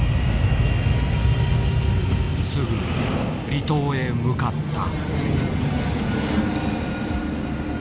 すぐ離島へ向かった。